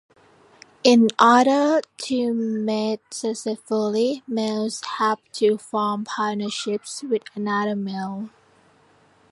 In order to mate successfully, males have to form partnerships with another male.